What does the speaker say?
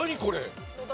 これ。